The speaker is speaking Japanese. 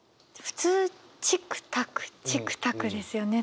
普通「チックタックチックタック」ですよね。